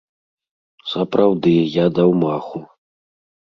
Сапраўды, я даў маху.